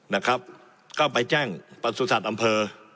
นะครับก็ไปแจ้งประสุทธิ์อำเภอ